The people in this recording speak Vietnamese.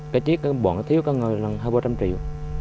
cái chiếc bọn thiếu có người là hai trăm linh ba trăm linh triệu